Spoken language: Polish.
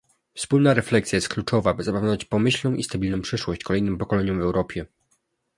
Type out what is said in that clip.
Wspólna refleksja jest kluczowa, aby zapewnić pomyślną i stabilną przyszłość kolejnym pokoleniom w Europie